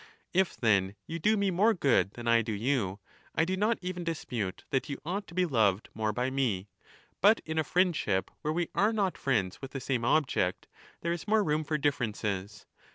If, then., you do me more good than I do you, I do not even dispute that you ought to be lov^ed more by me ; but in a friendship where we are not friends with the same object, there is more room or differences.